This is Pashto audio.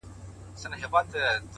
د ژوند مانا په اغېزمن حضور کې ده؛